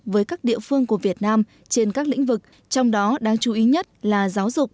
với các địa phương của việt nam trên các lĩnh vực trong đó đáng chú ý nhất là giáo dục